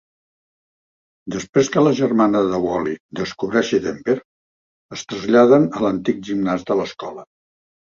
Després que la germana de Wally descobreixi Denver es traslladen a l'antic gimnàs de l'escola.